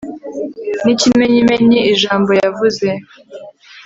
n'ikimenyimenyi ijambo yavuze